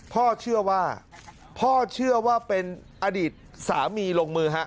พ่อเชื่อว่าพ่อเชื่อว่าเป็นอดีตสามีลงมือฮะ